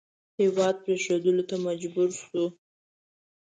هېواد پرېښودلو ته مجبور شو.